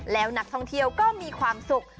แล้วนักท่องเที่ยวก็มีความสุข